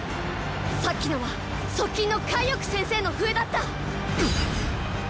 さっきのは側近の介億先生の笛だった！っ！